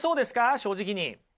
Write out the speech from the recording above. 正直に。